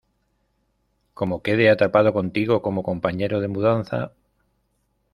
¿ Cómo quede atrapado contigo como compañero de mudanza?